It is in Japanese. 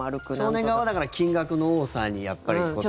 少年側は、だから金額の多さに対応しなきゃ。